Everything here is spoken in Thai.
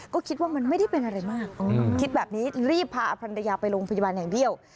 ก็คิดว่ามันไม่ได้เป็นอะไรมากคิดแบบนี้รีบพาภรรยาไปโรงพยาบาลแห่งเบี้ยว